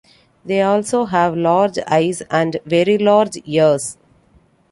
They also have large eyes and very large ears.